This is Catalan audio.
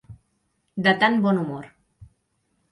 De tan bon humor.